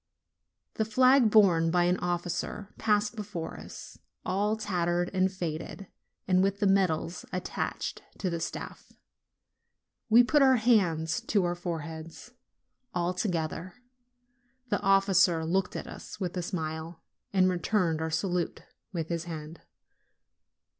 The flag, borne by an officer, passed before us, all tattered and faded, and with the medals attached to the staff. We put our hands to our foreheads, all together. The officer looked at us with a smile, and returned our salute with his hand.